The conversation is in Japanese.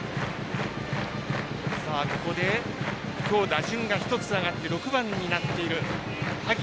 ここで今日打順が１つ上がって６番になっている萩。